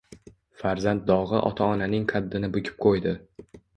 Farzand dog`i ota onaning qaddini bukib qo`ydi